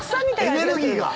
エネルギーが。